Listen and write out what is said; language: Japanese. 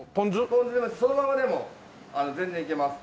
ポン酢でもそのままでも全然いけます。